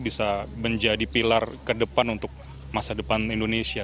bisa menjadi pilar ke depan untuk masa depan indonesia